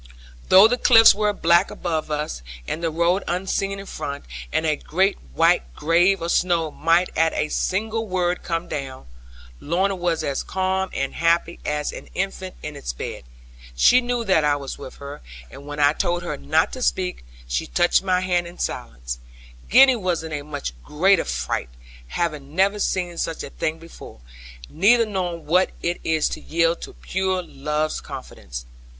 Though the cliffs were black above us, and the road unseen in front, and a great white grave of snow might at a single word come down, Lorna was as calm and happy as an infant in its bed. She knew that I was with her; and when I told her not to speak, she touched my hand in silence. Gwenny was in a much greater fright, having never seen such a thing before, neither knowing what it is to yield to pure love's confidence.